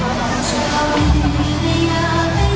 สุดท้ายสุดท้ายสุดท้าย